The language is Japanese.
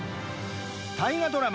大河ドラマ